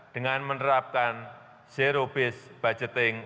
dengan menerapkan zero based budgeting